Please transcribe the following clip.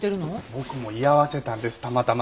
僕も居合わせたんですたまたま。